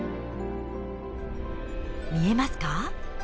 見えますか？